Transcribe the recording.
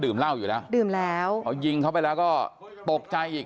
ดื่มเหล้าอยู่แล้วเดินแล้วเอายิงเข้าไปแล้วก็ปกใจอีก